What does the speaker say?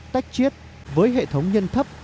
tách chiết với hệ thống nhân thấp